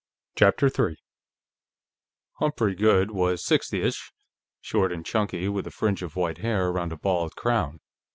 CHAPTER 3 Humphrey Goode was sixty ish, short and chunky, with a fringe of white hair around a bald crown.